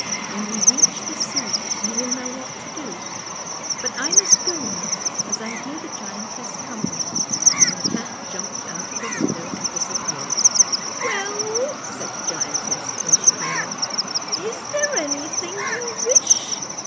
When you reach the sea you will know what to do. But I must go now, as I hear the giantess coming." And the cat jumped out of the window and disappeared. " Well," said the giantess, when she came in, " is there anything you wish?